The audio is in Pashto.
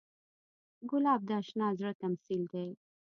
ګلاب د اشنا زړه تمثیل دی.